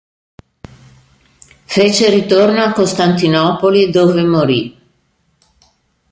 Fece ritorno a Costantinopoli, dove morì.